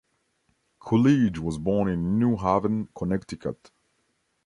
Coolidge was born in New Haven, Connecticut.